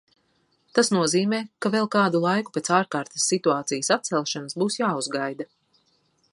Tas nozīmē, ka vēl kādu laiku pēc Ārkārtas situācijas atcelšanas būs jāuzgaida.